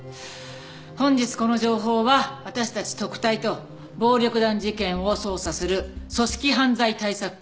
本日この情報は私たち特対と暴力団事件を捜査する組織犯罪対策課に下りた。